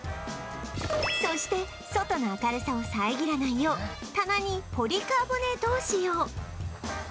そして外の明るさを遮らないよう棚にポリカーボネートを使用